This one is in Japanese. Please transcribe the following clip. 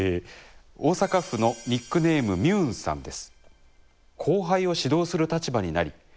大阪府のニックネームみゅーんさんです。